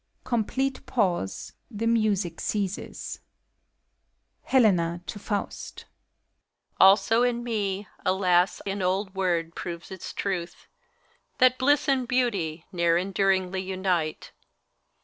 Complete pause. The music ceases, hele; na (to Faust). Also in me, alas I an old word proves its truth, That Bliss and Beauty ne'er enduringly unite.